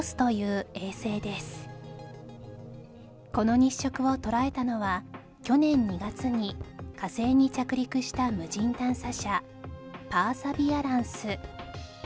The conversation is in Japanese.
この日食を捉えたのは去年２月に火星に着陸した無人探査車パーサビアランス